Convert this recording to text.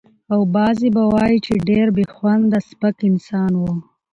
او بعضې به وايي چې ډېر بې خونده سپک انسان و.